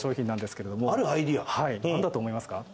なんだと思いますか？